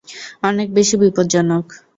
অনেক বেশি বিপদজনক।